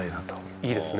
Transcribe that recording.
いいですね。